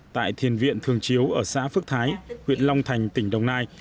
tại thiền viện thường chiếu ở xã phước thái huyện long thành tỉnh đồng nai